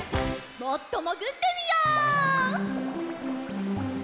もっともぐってみよう！